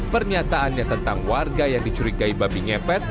pernyataannya tentang warga yang dicurigai babi ngepet